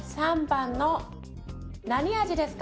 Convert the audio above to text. １番は何味ですか？